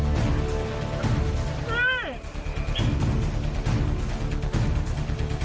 จับมับเขาให้